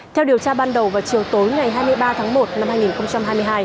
theo điều tra ban đầu vào chiều tối ngày hai mươi ba tháng một năm hai nghìn hai mươi hai